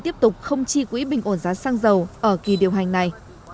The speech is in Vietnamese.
tiếp tục không chi quỹ bình ổn giá xăng dầu ở kỳ điều hành này